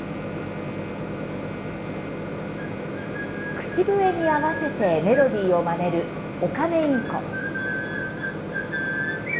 口笛に合わせてメロディーをまねるオカメインコ。